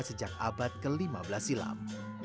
sejak abad ke lima belas silam